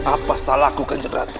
apa salahku kanyang ratu